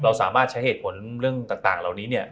เราสามารถใช้เหตุผลเรื่องต่างเหล่านี้เนี่ย